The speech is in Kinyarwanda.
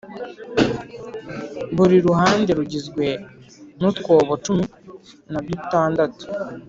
buri ruhande rugizwe n’utwobo cumi na dutandatu.